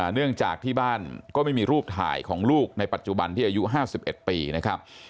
เนื่องจากที่บ้านก็ไม่มีรูปถ่ายของลูกในปัจจุบันที่อายุ๕๑ปีนะครับ